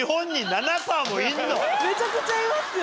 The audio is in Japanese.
めちゃくちゃいますよ。